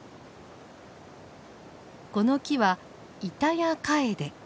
この木はイタヤカエデ。